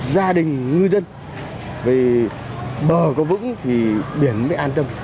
gia đình ngư dân về bờ có vững thì biển mới an tâm